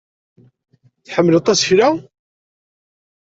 Tḥemmleḍ tasekla?